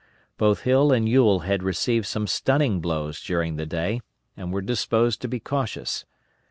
Both Hill and Ewell had received some stunning blows during the day, and were disposed to be cautious.